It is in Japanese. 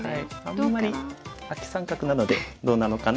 あんまりアキ三角なのでどうなのかな。